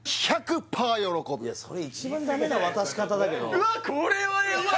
１００パー喜ぶそれ一番ダメな渡し方だけどうわ